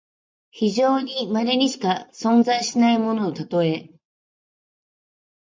非常にまれにしか存在しないもののたとえ。